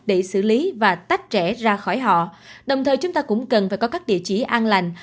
để xử lý và tách trẻ ra khỏi họ đồng thời chúng ta cũng cần phải có các địa chỉ an lành